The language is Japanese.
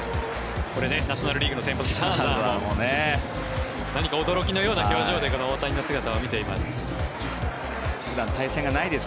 これ、ナショナル・リーグの先発シャーザーも何か驚きのような表情で大谷の姿を見ています。